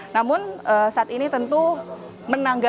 namun saat ini tentu menanggapi